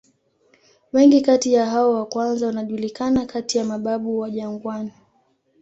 Wengi kati ya hao wa kwanza wanajulikana kati ya "mababu wa jangwani".